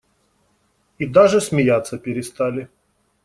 И даже смеяться перестали.